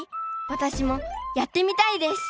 私もやってみたいです！